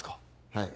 はい。